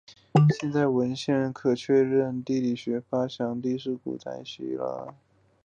现在有文献可确认的地理学的发祥地是在古代希腊。